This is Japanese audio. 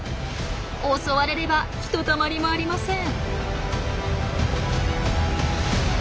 襲われればひとたまりもありません。